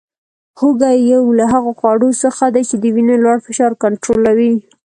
هوګه یو له هغو خوړو څخه دی چې د وینې لوړ فشار کنټرولوي